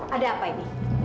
ada apa ini